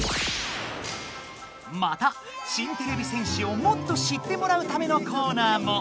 また新てれび戦士をもっと知ってもらうためのコーナーも。